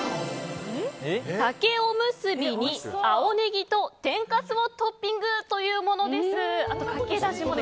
鮭おむすびに青ネギと天かす、かけだしをトッピングというものです。